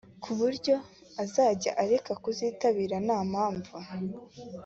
ku buryo uzajya areka kuzitabira nta mpamvu